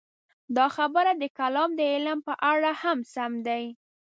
دا خبره د کلام د علم په اړه هم سمه ده.